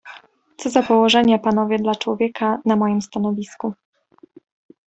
"Co za położenie, panowie, dla człowieka na mojem stanowisku!"